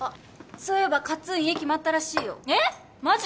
そういえばカッツン家決まったらしいよえっマジ？